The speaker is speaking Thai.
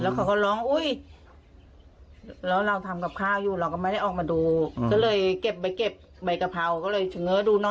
แล้วเขาก็ร้องอุ้ยเราทำกับข้าวอยู่เราก็ไม่ได้ออกมาดู